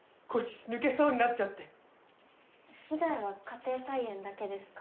被害は家庭菜園だけですか？